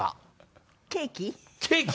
ケーキ。